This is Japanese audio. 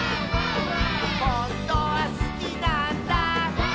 「ほんとはすきなんだ」